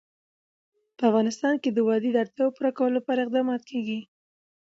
په افغانستان کې د وادي د اړتیاوو پوره کولو لپاره اقدامات کېږي.